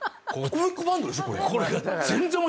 コミックバンドでしょこれ。